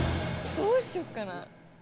どうしようっかな。